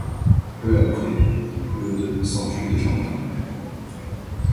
Peu après, Eudes s'enfuit de Champagne.